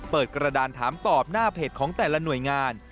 กระดานถามตอบหน้าเพจของแต่ละหน่วยงาน